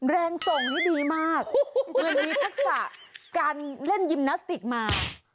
แรงส่งนี่ดีมากเหมือนมีภาคศาสตร์การเล่นยิมนาสติกมา